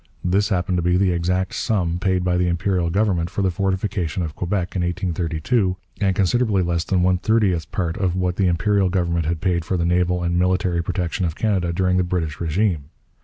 This happened to be the exact sum paid by the Imperial government for the fortification of Quebec in 1832, and considerably less than one thirtieth part of what the Imperial government had paid for the naval and military protection of Canada during the British régime.